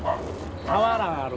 俵がある。